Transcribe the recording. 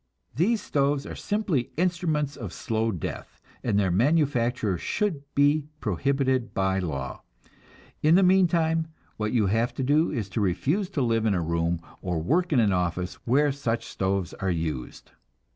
These stoves are simply instruments of slow death, and their manufacture should be prohibited by law. In the meantime, what you have to do is to refuse to live in a room or to work in an office where such stoves are used.